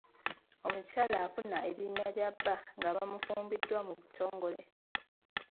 Omukyala afuna erinnya lya bba nga bafumbiddwa mu butongole.